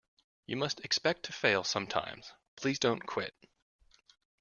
You must expect to fail sometimes; please don't quit.